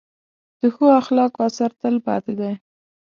د ښو اخلاقو اثر تل پاتې دی.